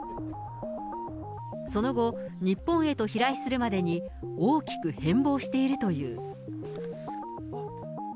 その後、日本へと飛来するまでに大きく変貌しているという。